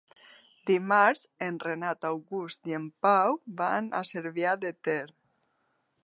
Dimarts en Renat August i en Pau van a Cervià de Ter.